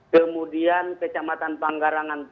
kemudian kecamatan panggarangan